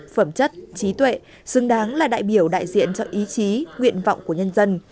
phẩm chất trí tuệ xứng đáng là đại biểu đại diện cho ý chí nguyện vọng của nhân dân